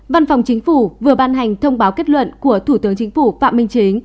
văn phòng chính phủ vừa ban hành thông báo kết luận của thủ tướng chính phủ phạm minh chính